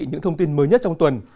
những thông tin mới nhất trong tuần